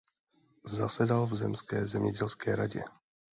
Zasedal v zemské zemědělské radě.